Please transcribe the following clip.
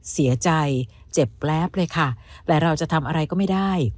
เสียใจเจ็บแป๊บเลยค่ะแต่เราจะทำอะไรก็ไม่ได้